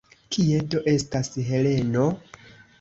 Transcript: Kie do estas Heleno?